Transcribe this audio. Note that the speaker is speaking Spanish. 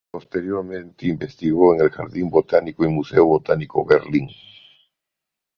Posteriormente investigó en el Jardín Botánico y Museo Botánico, Berlín.